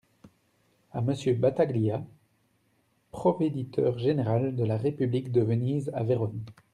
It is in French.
À Monsieur Bataglia, provéditeur-général de la république de Venise à Verone.